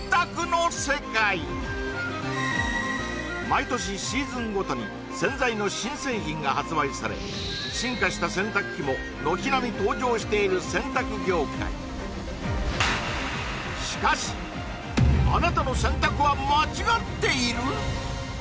毎年シーズンごとに洗剤の新製品が発売され進化した洗濯機も軒並み登場している洗濯業界しかしあなたの洗濯は間違っている？